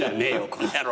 この野郎」